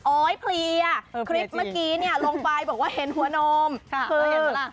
โอ๊ยเพลียคลิปเมื่อกี้เนี่ยลงไปบอกว่าเห็นหัวนมเออเพลียจริง